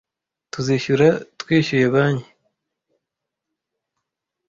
Tuzishyura twishyuye banki.